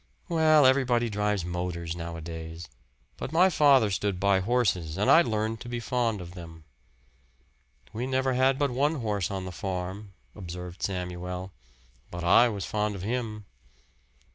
"Well, everybody drives motors nowadays. But my father stood by horses, and I learned to be fond of them." "We never had but one horse on the farm," observed Samuel. "But I was fond of him."